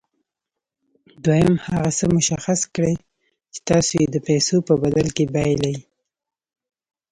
دويم هغه څه مشخص کړئ چې تاسې يې د پیسو په بدل کې بايلئ.